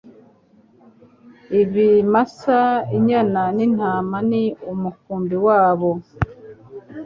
Ibimasa inyana n'intama ni umukumbi wabo